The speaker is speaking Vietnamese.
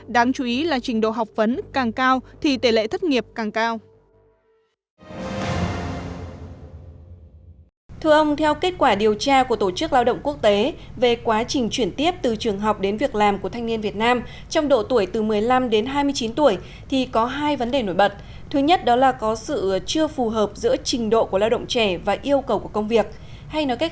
đáng chú ý là trình độ học vấn càng cao thì tỷ lệ thất nghiệp càng cao